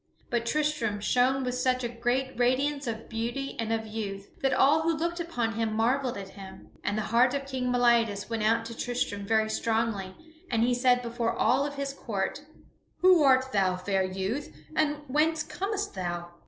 But Tristram shone with such a great radiance of beauty and of youth that all who looked upon him marvelled at him. And the heart of King Meliadus went out to Tristram very strongly, and he said before all of his court, "Who art thou, fair youth? And whence comest thou?"